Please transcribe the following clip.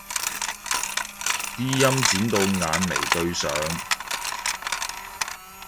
啲陰剪到眼眉對上